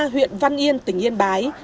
huyện văn yên tỉnh yên bái